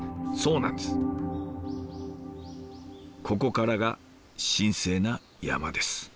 ここからが神聖な山です。